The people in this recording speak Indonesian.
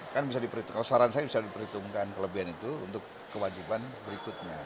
kan bisa diperhitungkan saran saya bisa diperhitungkan kelebihan itu untuk kewajiban berikutnya